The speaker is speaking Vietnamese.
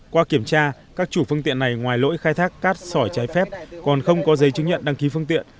qua kiểm tra các chủ phương tiện này ngoài lỗi khai thác cát sỏi trái phép còn không có giấy chứng nhận đăng ký phương tiện